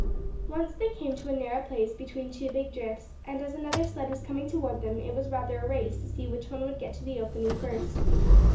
Once they came to a narrow place between two big drifts, and as another sled was coming toward them it was rather a race to see which one would get to the opening first.